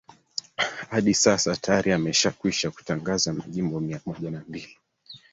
adi sasa tayari yameshakwisha kutangaza majimbo mia moja na mbili